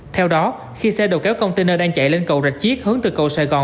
theo đó khi xe đầu kéo container đang chạy lên cầu rạch chiếc hướng từ cầu sài gòn